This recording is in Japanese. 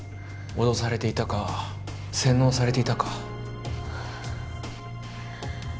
脅されていたか洗脳されていたかはあ